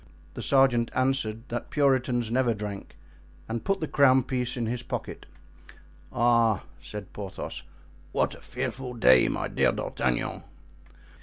The sergeant answered that Puritans never drank, and put the crown piece in his pocket. "Ah!" said Porthos, "what a fearful day, my dear D'Artagnan!"